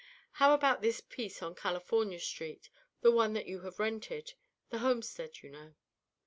"How about this piece on California Street, the one that you have rented, the homestead, you know?"